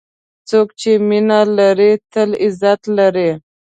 څوک چې مینه لري، تل عزت لري.